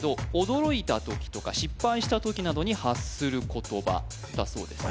驚いた時とか失敗した時などに発する言葉だそうです